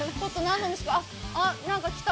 あ、なんか来た。